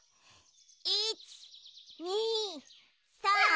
１２３４。